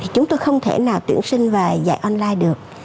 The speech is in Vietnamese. chúng tôi không thể nào tuyển sinh và dạy online được